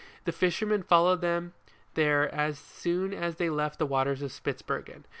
The fishermen followed them there as soon as they left the waters of Spitzbergen.